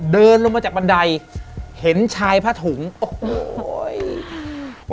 เดินลงมาจากบันไดเห็นชายผ้าถุงโอ้โห